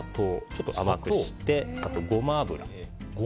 ちょっと甘くしてあと、ゴマ油。